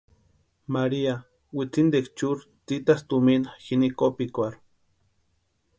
María witsintikwa churikwa tsïtasti tumina jini kopikwarhu.